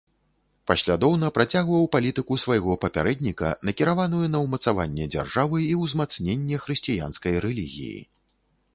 Паслядоўна працягваў палітыку свайго папярэдніка, накіраваную на ўмацаванне дзяржавы і ўзмацненне хрысціянскай рэлігіі.